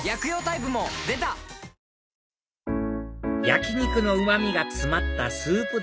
焼き肉のうま味が詰まったスープ